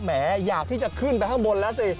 แหมอยากที่จะขึ้นไปข้างบนแล้วสิ